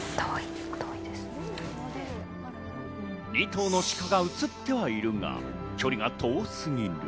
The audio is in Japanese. ２頭のシカが写ってはいるが、距離が遠すぎる。